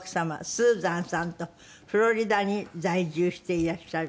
スーザンさんとフロリダに在住していらっしゃるっていう。